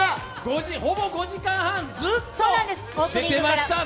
ほぼ５時間半、ずっと出てました。